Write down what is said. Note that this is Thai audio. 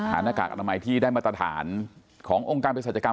หน้ากากอนามัยที่ได้มาตรฐานขององค์การเพศรัชกรรม